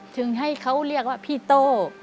ถึงให้เขาเรียกว่าพี่โต้